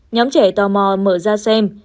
nhóm trẻ tò mò mở ra xem